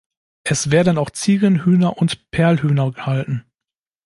Es werden auch Ziegen, Hühner und Perlhühner gehalten.